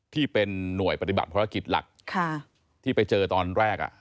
ที่เป็นหน่วยปฏิบัติภารกิจหลักที่ไปเจอตอนแรก